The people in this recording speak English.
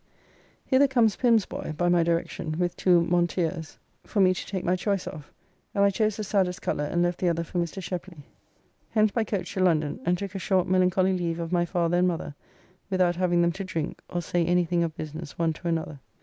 Hither comes Pim's boy, by my direction, with two monteeres [Monteeres, montero (Spanish), a kind of huntsman's cap.] for me to take my choice of, and I chose the saddest colour and left the other for Mr. Sheply. Hence by coach to London, and took a short melancholy leave of my father and mother, without having them to drink, or say anything of business one to another.